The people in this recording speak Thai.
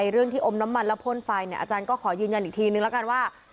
เรื่องที่อมน้ำมันแล้วพ่นไฟเนี่ยอาจารย์ก็ขอยืนยันอีกทีนึงแล้วกันว่า